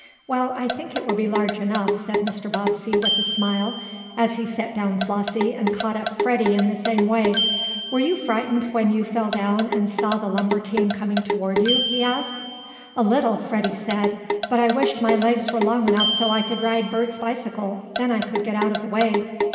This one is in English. "Well, I think it will be large enough," said Mr. Bobbsey with a smile as he set down Flossie and caught up Freddie in the same way. "Were you frightened when you fell down and saw the lumber team coming toward you?" he asked. "A little," Freddie said. "But I wished my legs were long enough so I could ride Bert's bicycle. Then I could get out of the way."